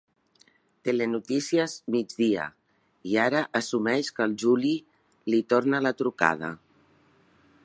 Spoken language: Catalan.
«Telenotícies migdia» i ara assumeix que el Juli li torna la trucada.